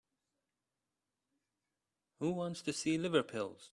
Who wants to see liver pills?